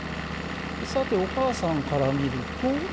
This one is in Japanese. さてお母さんから見ると。